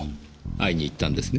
会いに行ったんですね？